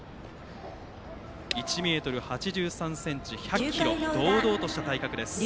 １ｍ８３ｃｍ、１００ｋｇと堂々とした体格です。